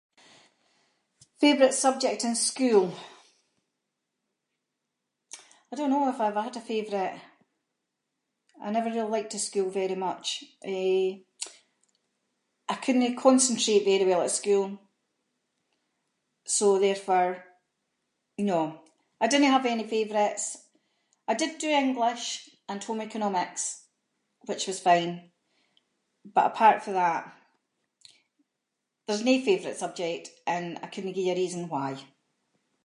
Favourite subject in school. I don’t know if I ever had a favourite. I never really liked the school very much, eh, I couldnae concentrate very well at school. So therefore, no I dinnae have any favourites. I did do English and home-economics which was fine, but apart fae that, there’s no favourite subject and I couldnae give you a reason why.